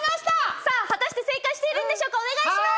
さあ、果たして正解しているんでしょうかお願いします！